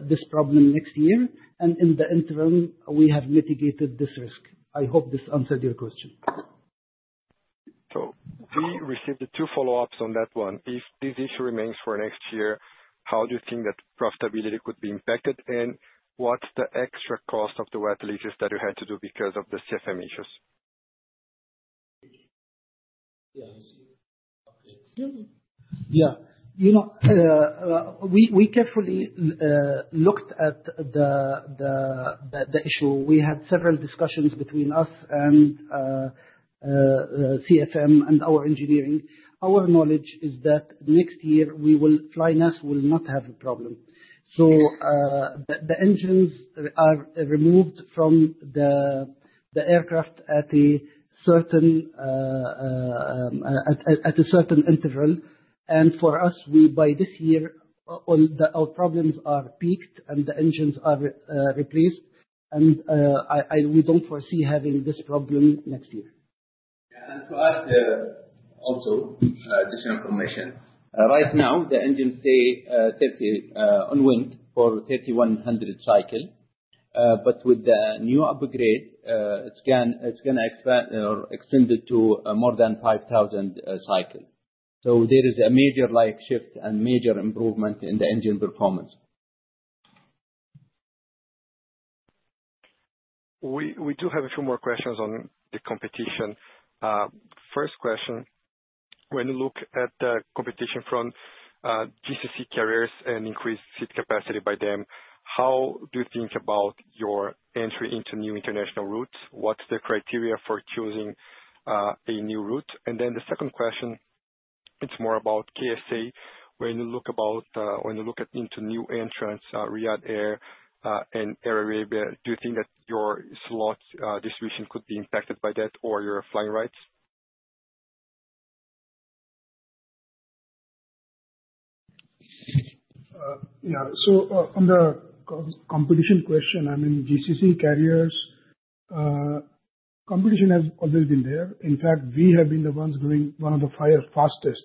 this problem next year. And in the interim, we have mitigated this risk. I hope this answered your question. So we received two follow-ups on that one. If this issue remains for next year, how do you think that profitability could be impacted, and what's the extra cost of the wet leases that you had to do because of the CFM issues? Yeah. Yeah. We carefully looked at the issue. We had several discussions between us and CFM and our engineering. Our knowledge is that next year, flynas will not have a problem. So the engines are removed from the aircraft at a certain interval. For us, by this year, our problems are peaked, and the engines are replaced, and we don't foresee having this problem next year. Yeah. To add also additional information, right now, the engines stay 300 on wing for 3,100 cycles. With the new upgrade, it's going to extend it to more than 5,000 cycles. So there is a major shift and major improvement in the engine performance. We do have a few more questions on the competition. First question, when you look at the competition from GCC carriers and increased seat capacity by them, how do you think about your entry into new international routes? What's the criteria for choosing a new route? And then the second question, it's more about KSA. When you look into new entrants, Riyadh Air and Arabia, do you think that your slot distribution could be impacted by that or your flying rights? Yeah, so on the competition question, I mean, GCC carriers, competition has always been there. In fact, we have been the ones growing one of the fastest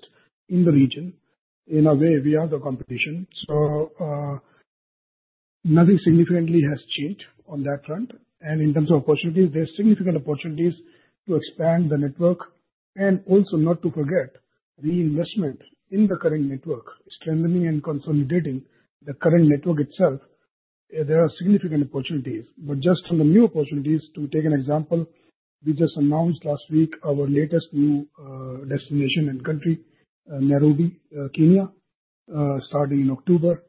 in the region. In a way, we are the competition, so nothing significantly has changed on that front, and in terms of opportunities, there are significant opportunities to expand the network. Also, not to forget, reinvestment in the current network, strengthening and consolidating the current network itself, there are significant opportunities. Just on the new opportunities, to take an example, we just announced last week our latest new destination and country, Nairobi, Kenya, starting in October.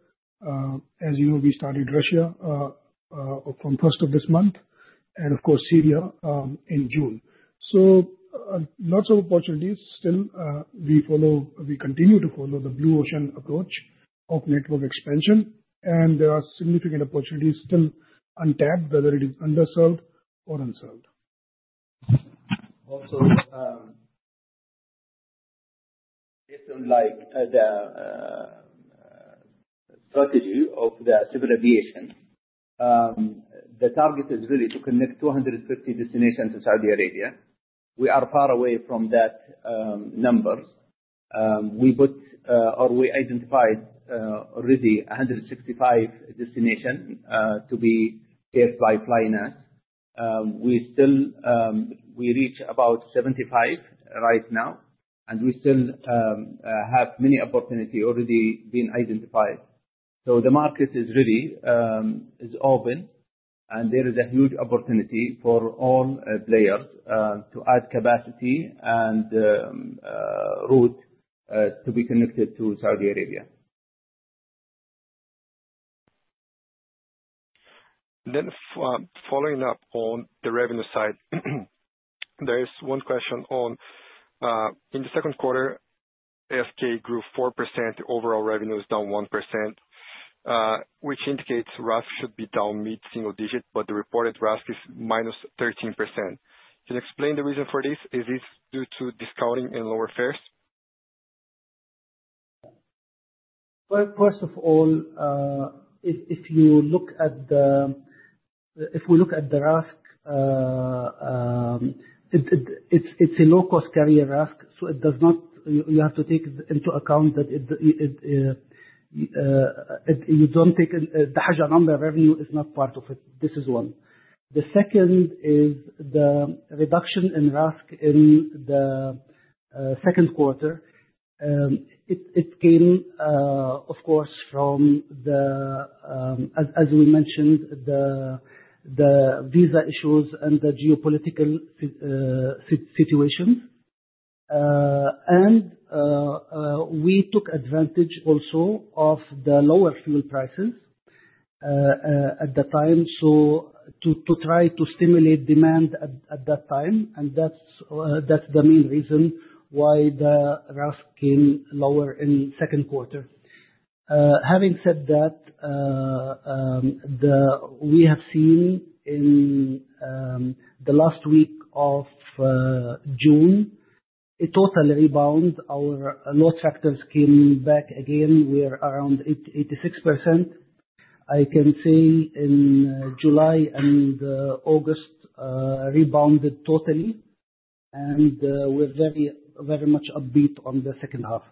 As you know, we started Russia from the first of this month, and of course, Syria in June. So lots of opportunities still. We continue to follow the Blue Ocean approach of network expansion, and there are significant opportunities still untapped, whether it is underserved or unserved. Also, based on the strategy of the civil aviation, the target is really to connect 250 destinations in Saudi Arabia. We are far away from that number. We identified already 165 destinations to be tapped by flynas. We reach about 75 right now, and we still have many opportunities already being identified. So the market is really open, and there is a huge opportunity for all players to add capacity and route to be connected to Saudi Arabia. Then, following up on the revenue side, there is one question on in the second quarter, ASK grew 4%. Overall revenue is down 1%, which indicates RASK should be down mid-single digit, but the reported RASK is -3%. Can you explain the reason for this? Is this due to discounting and lower fares? First of all, if we look at the RASK, it's a low-cost carrier RASK, so you have to take into account that you don't take the Hajj and Umrah revenue is not part of it. This is one. The second is the reduction in RASK in the second quarter. It came, of course, from, as we mentioned, the visa issues and the geopolitical situation. We took advantage also of the lower fuel prices at the time to try to stimulate demand at that time. That's the main reason why the RASK came lower in the second quarter. Having said that, we have seen in the last week of June a total rebound. Our load factors came back again. We are around 86%. I can say in July and August rebounded totally, and we're very much upbeat on the second half.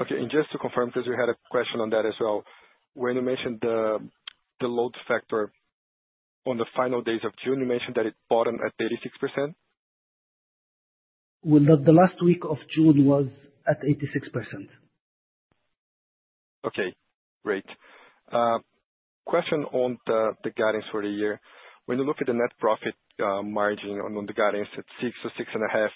Okay, and just to confirm, because we had a question on that as well, when you mentioned the load factor on the final days of June, you mentioned that it bottomed at 36%? The last week of June was at 86%. Okay. Great. Question on the guidance for the year. When you look at the net profit margin on the guidance at 6% or 6.5%,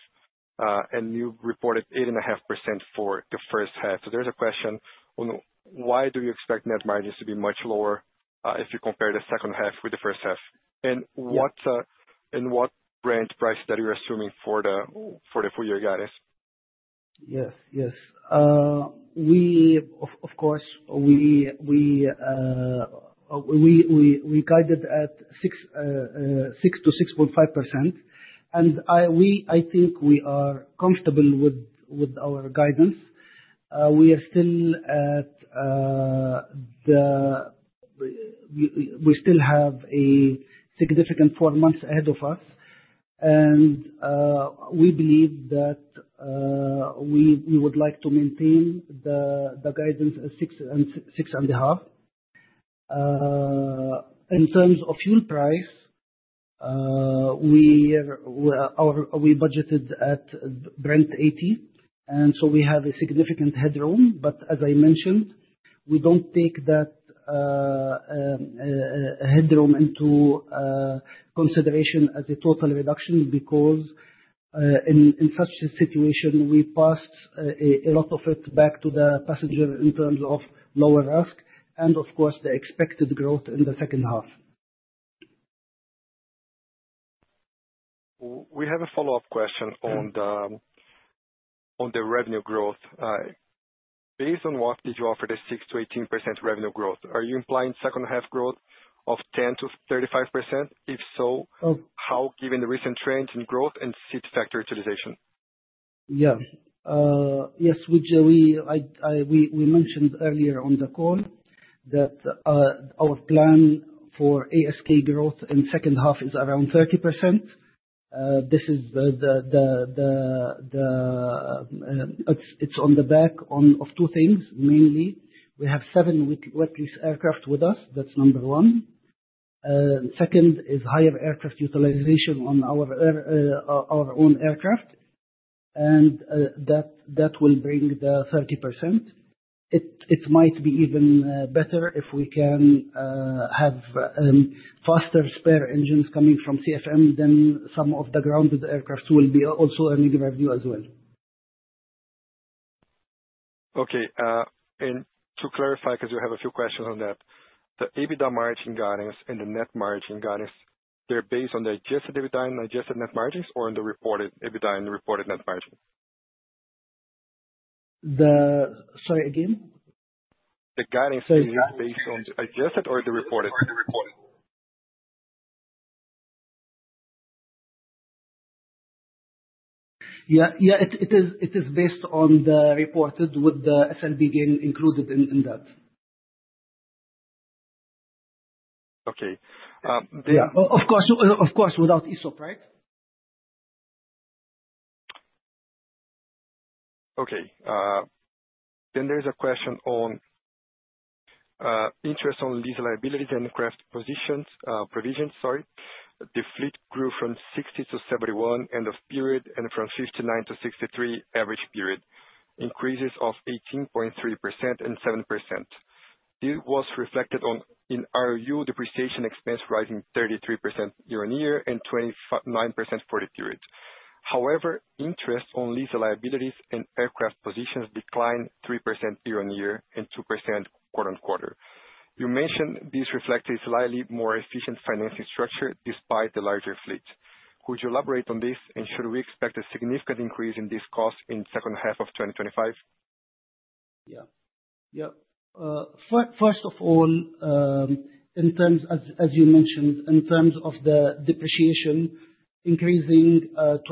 and you reported 8.5% for the first half. So there's a question on why do you expect net margins to be much lower if you compare the second half with the first half? What Brent price that you're assuming for the full-year guidance? Yes. Yes. Of course, we guided at 6%-6.5%. I think we are comfortable with our guidance. We still have a significant four months ahead of us. We believe that we would like to maintain the guidance at 6.5%. In terms of fuel price, we budgeted at Brent $80. So we have a significant headroom. But as I mentioned, we don't take that headroom into consideration as a total reduction because in such a situation, we passed a lot of it back to the passenger in terms of lower RASK and, of course, the expected growth in the second half. We have a follow-up question on the revenue growth. Based on what did you offer the 6-18% revenue growth? Are you implying second-half growth of 10%-35%? If so, how, given the recent trends in growth and seat factor utilization? Yeah. Yes. We mentioned earlier on the call that our plan for ASK growth in the second half is around 30%. This is, it's on the back of two things, mainly. We have seven wet lease aircraft with us. That's number one. Second is higher aircraft utilization on our own aircraft. And that will bring the 30%. It might be even better if we can have faster spare engines coming from CFM then some of the grounded aircraft will be also earning revenue as well. Okay. And to clarify, because we have a few questions on that, the EBITDA margin guidance and the net margin guidance, they're based on the adjusted EBITDA and adjusted net margins or on the reported EBITDA and reported net margin? Sorry, again? The guidance is based on the adjusted or the reported? Yeah. Yeah. It is based on the reported with the SLB gain included in that. Okay. Yeah. Of course, without ESOP, right? Okay. Then there's a question on interest on lease liabilities and aircraft provisions, sorry. The fleet grew from 60 to 71 end-of-period and from 59 to 63 average period, increases of 18.3% and 7%. This was reflected in our depreciation expense rising 33% year-on-year and 29% for the period. However, interest on lease liabilities and aircraft provisions declined 3% year-on-year and 2% quarter-on-quarter. You mentioned this reflects a slightly more efficient financing structure despite the larger fleet. Could you elaborate on this, and should we expect a significant increase in these costs in the second half of 2025? Yeah. Yeah. First of all, as you mentioned, in terms of the depreciation, increasing 29%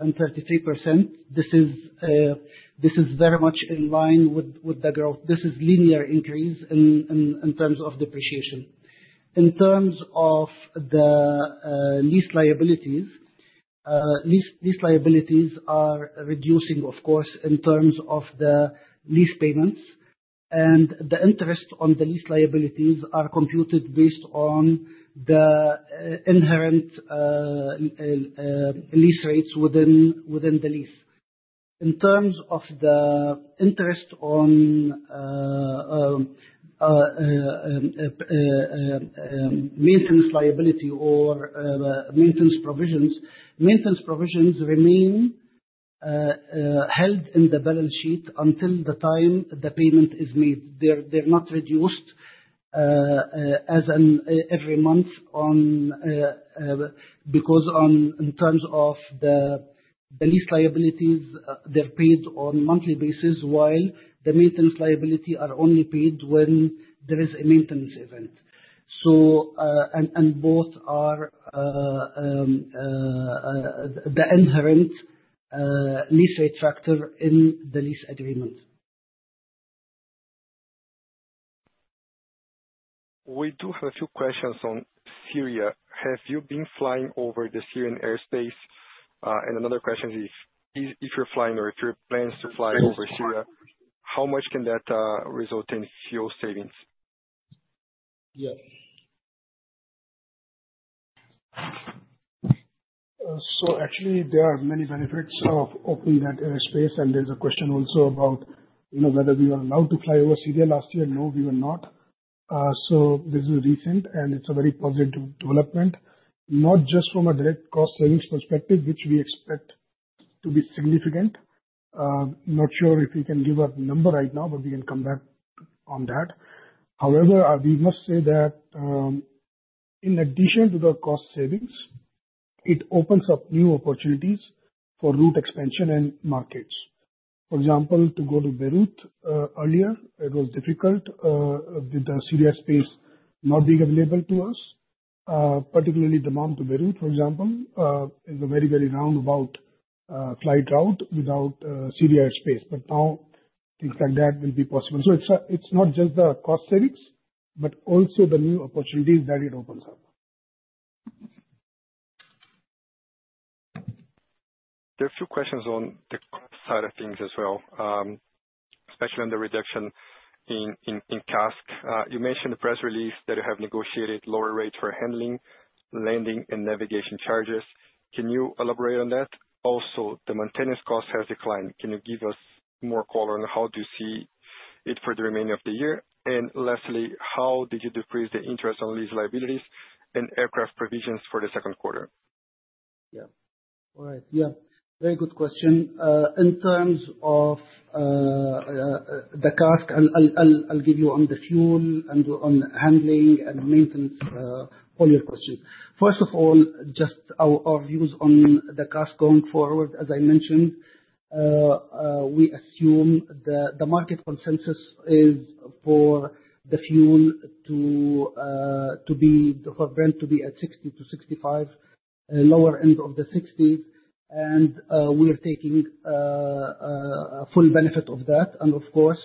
and 33%, this is very much in line with the growth. This is a linear increase in terms of depreciation. In terms of the lease liabilities, lease liabilities are reducing, of course, in terms of the lease payments, and the interest on the lease liabilities are computed based on the inherent lease rates within the lease. In terms of the interest on maintenance liability or maintenance provisions, maintenance provisions remain held in the balance sheet until the time the payment is made. They're not reduced every month because in terms of the lease liabilities, they're paid on a monthly basis, while the maintenance liability is only paid when there is a maintenance event, and both are the inherent lease rate factor in the lease agreement. We do have a few questions on Syria. Have you been flying over the Syrian airspace? And another question is, if you're flying or if your plans to fly over Syria, how much can that result in fuel savings? Yes. So actually, there are many benefits of opening that airspace. And there's a question also about whether we were allowed to fly over Syria last year. No, we were not. So this is recent, and it's a very positive development, not just from a direct cost savings perspective, which we expect to be significant. Not sure if we can give a number right now, but we can come back on that. However, we must say that in addition to the cost savings, it opens up new opportunities for route expansion and markets. For example, to go to Beirut earlier, it was difficult with the Syria airspace not being available to us, particularly the route to Beirut, for example, is a very, very roundabout flight route without Syria airspace. But now, things like that will be possible. So it's not just the cost savings, but also the new opportunities that it opens up. There are a few questions on the cost side of things as well, especially on the reduction in CASK. You mentioned the press release that you have negotiated lower rates for handling, landing, and navigation charges. Can you elaborate on that? Also, the maintenance cost has declined. Can you give us more color on how do you see it for the remainder of the year? And lastly, how did you decrease the interest on lease liabilities and aircraft provisions for the second quarter? Yeah. All right. Yeah. Very good question. In terms of the CASK, I'll give you on the fuel and on handling and maintenance, all your questions. First of all, just our views on the CASK going forward. As I mentioned, we assume that the market consensus is for the fuel to be for Brent to be at $60-$65, lower end of the $60s, and we are taking full benefit of that. Of course,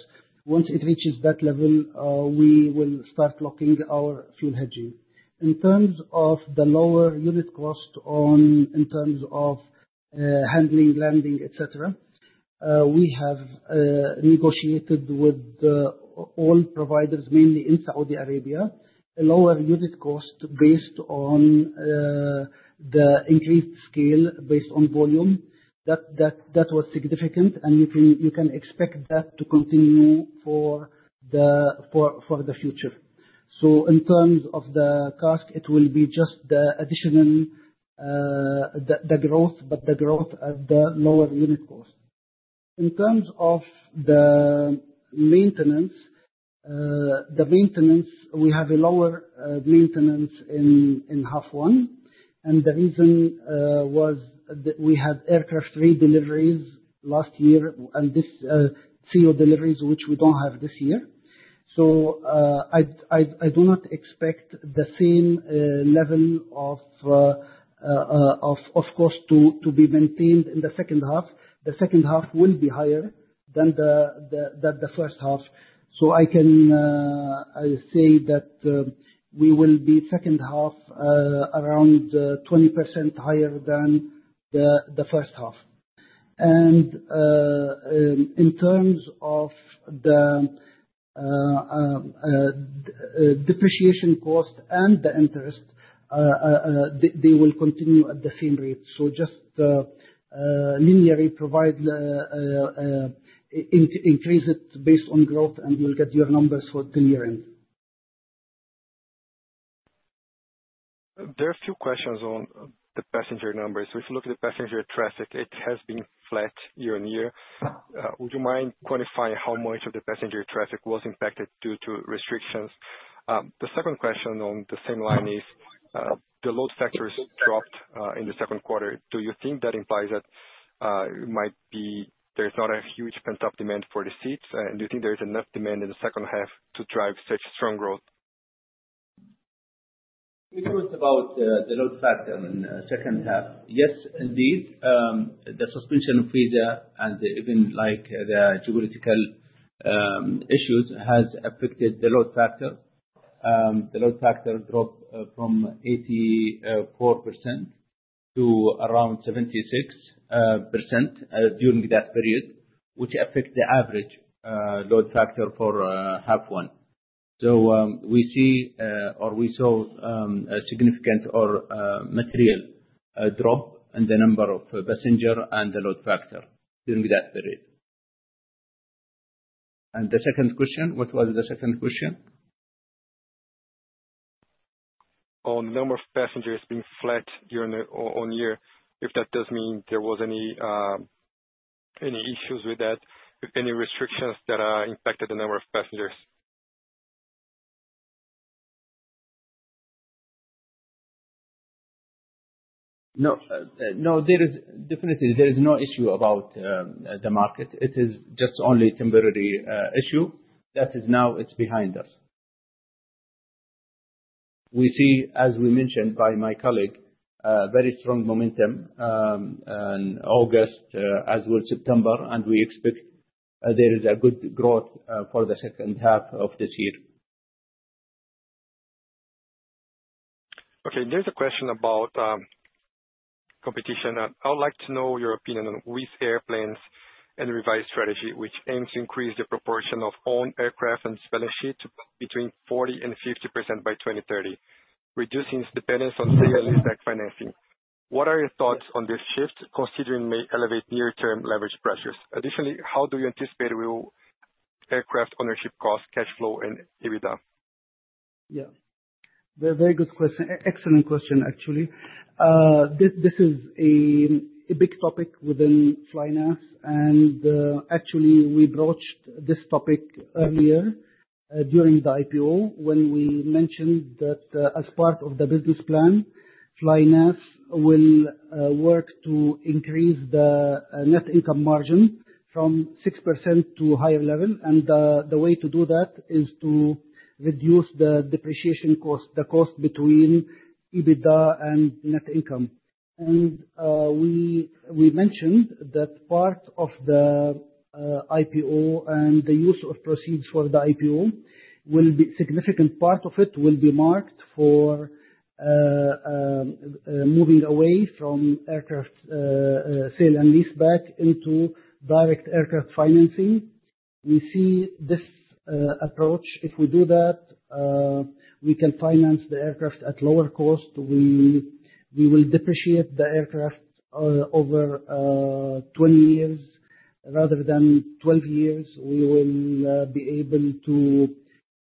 once it reaches that level, we will start locking our fuel hedging. In terms of the lower unit cost in terms of handling, landing, etc., we have negotiated with all providers, mainly in Saudi Arabia, a lower unit cost based on the increased scale based on volume. That was significant, and you can expect that to continue for the future. In terms of the CASK, it will be just the additional growth, but the growth at the lower unit cost. In terms of the maintenance, we have a lower maintenance in the first half. The reason was that we had aircraft redeliveries last year and new deliveries, which we don't have this year. I do not expect the same level of cost to be maintained in the second half. The second half will be higher than the first half. I can say that the second half will be around 20% higher than the first half. In terms of the depreciation cost and the interest, they will continue at the same rate. Just linearly provide, increase it based on growth, and you'll get your numbers for the year end. There are a few questions on the passenger numbers. If you look at the passenger traffic, it has been flat year-on-year. Would you mind quantifying how much of the passenger traffic was impacted due to restrictions? The second question on the same line is, the load factors dropped in the second quarter. Do you think that implies that it might be there's not a huge pent-up demand for the seats? And do you think there is enough demand in the second half to drive such strong growth? It was about the load factor in the second half. Yes, indeed. The suspension of visas and even the geopolitical issues has affected the load factor. The load factor dropped from 84% to around 76% during that period, which affected the average load factor for half one. So we see or we saw a significant or material drop in the number of passengers and the load factor during that period. And the second question, what was the second question? On the number of passengers being flat year-on-year, if that does mean there was any issues with that, any restrictions that impacted the number of passengers? No. No. Definitely, there is no issue about the market. It is just only a temporary issue. That is now, it's behind us. We see, as we mentioned by my colleague, very strong momentum in August, as well as September, and we expect there is a good growth for the second half of this year. Okay. There's a question about competition. I would like to know your opinion on Riyadh Air's revised strategy, which aims to increase the proportion of owned aircraft and balance sheet between 40%-50% by 2030, reducing dependence on sale and leaseback financing. What are your thoughts on this shift, considering it may elevate near-term leverage pressures? Additionally, how do you anticipate will aircraft ownership costs, cash flow, and EBITDA? Yeah. Very good question. Excellent question, actually. This is a big topic within flynas, and actually, we broached this topic earlier during the IPO when we mentioned that as part of the business plan, flynas will work to increase the net income margin from 6% to a higher level, and the way to do that is to reduce the depreciation cost, the cost between EBITDA and net income. And we mentioned that part of the IPO and the use of proceeds for the IPO will be a significant part of it marked for moving away from aircraft sale and leaseback into direct aircraft financing. We see this approach. If we do that, we can finance the aircraft at lower cost. We will depreciate the aircraft over 20 years rather than 12 years. We will be able to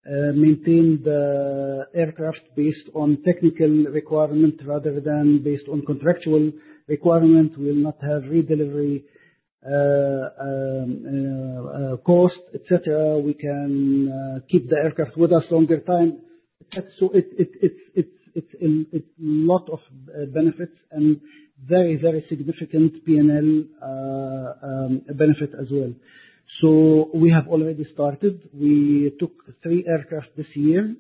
maintain the aircraft based on technical requirement rather than based on contractual requirement. We will not have redelivery cost, etc. We can keep the aircraft with us longer time. So it's a lot of benefits and very, very significant P&L benefit as well. So we have already started. We took three aircraft this year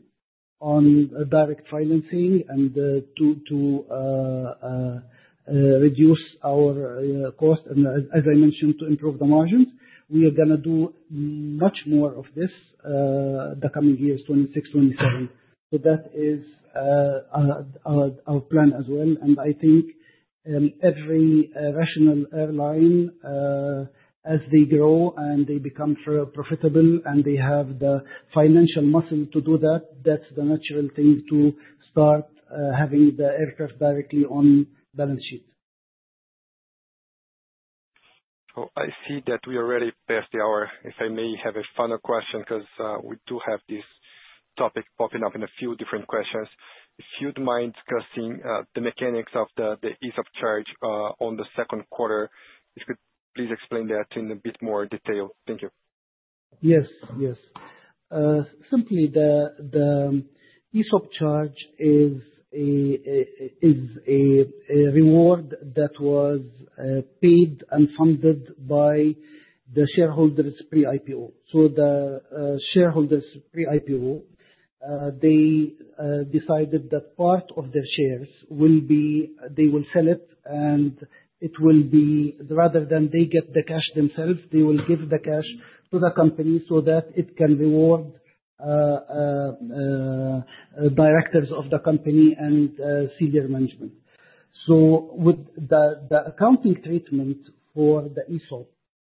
on direct financing and to reduce our cost. And as I mentioned, to improve the margins, we are going to do much more of this the coming years, 2026, 2027. So that is our plan as well. And I think every rational airline, as they grow and they become profitable and they have the financial muscle to do that, that's the natural thing to start having the aircraft directly on balance sheet. I see that we are already past the hour. If I may have a final question because we do have this topic popping up in a few different questions. If you wouldn't mind discussing the mechanics of the ESOP charge on the second quarter, if you could please explain that in a bit more detail. Thank you. Yes. Yes. Simply, the ESOP charge is a reward that was paid and funded by the shareholders pre-IPO. So the shareholders pre-IPO, they decided that part of their shares will be they will sell it, and it will be rather than they get the cash themselves, they will give the cash to the company so that it can reward directors of the company and senior management. So the accounting treatment for the ESOP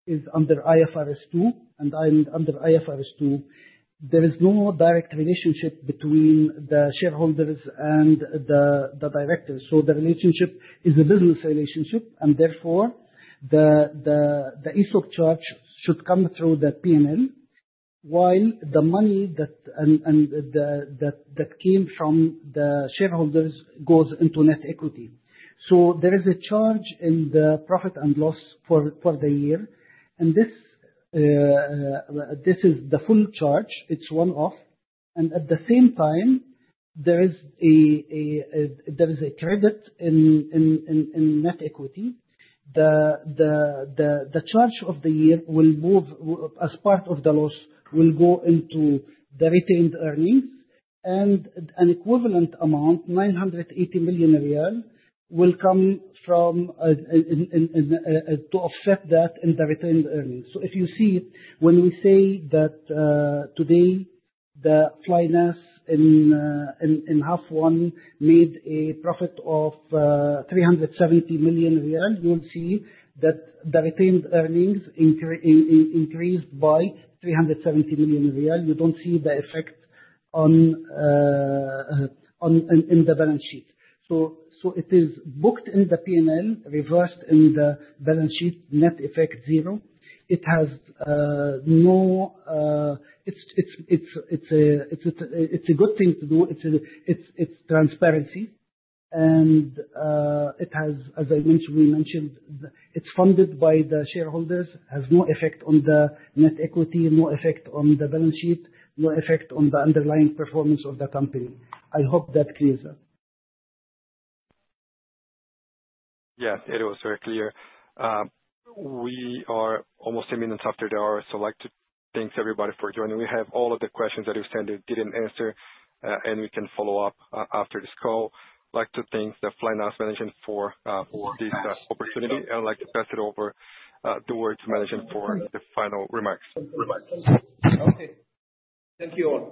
is under IFRS 2, and under IFRS 2, there is no direct relationship between the shareholders and the directors. So the relationship is a business relationship. Therefore, the ESOP charge should come through the P&L, while the money that came from the shareholders goes into net equity. So there is a charge in the profit and loss for the year. And this is the full charge. It's one-off. And at the same time, there is a credit in net equity. The charge of the year will move as part of the loss will go into the retained earnings. And an equivalent amount, 980 million riyal, will come from to offset that in the retained earnings. So if you see, when we say that today, the flynas in H1 made a profit of SAR 370 million, you'll see that the retained earnings increased by SAR 370 million. You don't see the effect in the balance sheet. So it is booked in the P&L, reversed in the balance sheet, net effect zero. It has no, it's a good thing to do. It's transparency. And it has, as I mentioned, we mentioned, it's funded by the shareholders, has no effect on the net equity, no effect on the balance sheet, no effect on the underlying performance of the company. I hope that clears up. Yes. It was very clear. We are almost 10 minutes after the hour. So I'd like to thank everybody for joining. We have all of the questions that you sent that didn't answer, and we can follow up after this call. I'd like to thank the flynas management for this opportunity. I'd like to pass it over to the management for the final remarks. Okay. Thank you all.